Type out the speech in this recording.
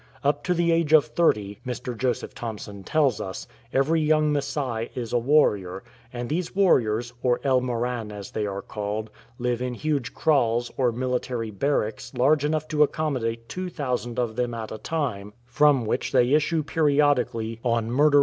Up to the age of thirty, Mr. Joseph Thomson tells us, every young Masai is a warrior, and these warriors, or El Moran as they are called, live in huge kraals or military barracks large enough to accommodate 2000 of them at a time, from which they issue periodically on murdering 128 |^^H|^^^ ■ K